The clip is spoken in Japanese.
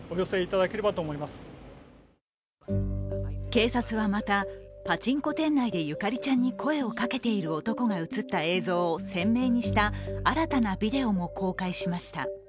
警察はまた、パチンコ店内でゆかりちゃんに声をかけている男が映った映像を鮮明にした新たなビデオも公開しました。